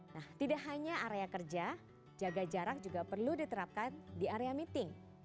nah tidak hanya area kerja jaga jarak juga perlu diterapkan di area meeting